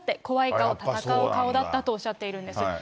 怖い顔、戦う顔だったとおっしゃってるんです。